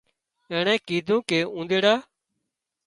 اينڻيئي ڪيڌون ڪي اونۮيڙا